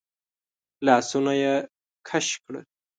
لاسونه يې کش کړل.